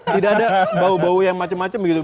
tidak ada bau bau yang macam macam begitu